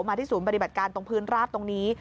ที่ศูนย์ปฏิบัติการตรงพื้นราบตรงนี้